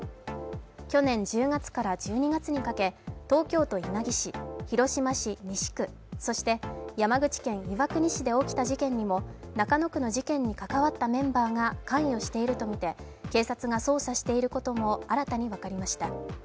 去年１０月から１２月にかけ、東京都稲城市、広島市西区、そして山口県岩国市で起きた事件にも中野区の事件に関わったメンバーが関与しているとみて警察が捜査していることも新たに分かりました。